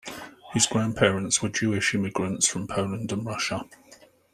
His grandparents were Jewish immigrants from Poland and Russia.